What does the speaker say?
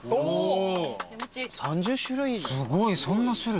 すごいそんな種類？